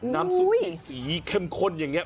น้ำซุปสีเข้มข้นอย่างนี้